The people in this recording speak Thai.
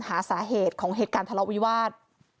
หาสาเหตุของเหตุการณ์ทะเลาะวิวาส